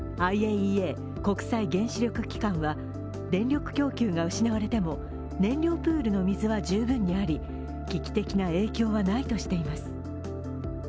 ＩＡＥＡ＝国際原子力機関は電力供給が失われても燃料プールの水は十分にあり、危機的な影響はないとしています。